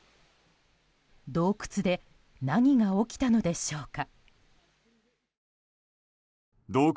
洞窟で何が起きたのでしょうか。